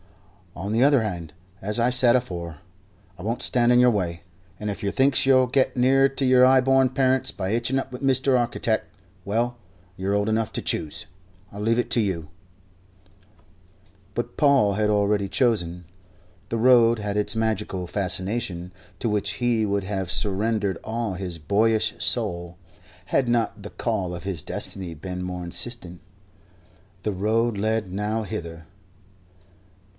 "On the other hand, as I said afore, I won't stand in yer way, and if yer thinks you'll get nearer to your 'igh born parents by hitching up with Mr. Architect, well you're old enough to choose. I leave it to you." But Paul had already chosen. The Road had its magical fascination, to which he would have surrendered all his boyish soul, had not the call of his destiny been more insistent. The Road led nowhither.